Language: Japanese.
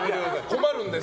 困るんで。